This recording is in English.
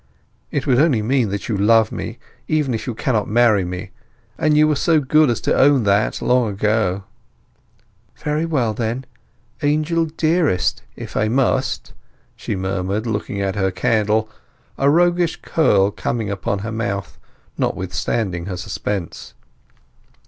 "It would only mean that you love me, even if you cannot marry me; and you were so good as to own that long ago." "Very well, then, 'Angel dearest', if I must," she murmured, looking at her candle, a roguish curl coming upon her mouth, notwithstanding her suspense.